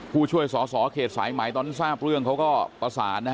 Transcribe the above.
ผู้ช่วยสอสอเขตสายไหมตอนที่ท่านท่านท่านท่านทราบเรื่องเขาก็ประสานนะฮะ